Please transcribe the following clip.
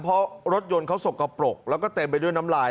เพราะรถยนต์เขาสกปรกแล้วก็เต็มไปด้วยน้ำลาย